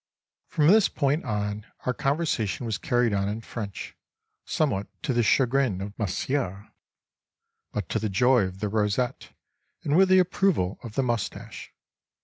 From this point on our conversation was carried on in French, somewhat to the chagrin of Monsieur, but to the joy of the rosette and with the approval of the moustache.